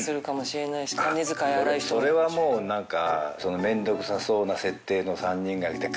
それはもう何か。